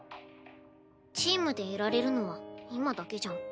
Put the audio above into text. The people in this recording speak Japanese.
チームでいられるのは今だけじゃん。